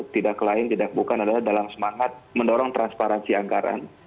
tidak lain tidak bukan adalah dalam semangat mendorong transparansi anggaran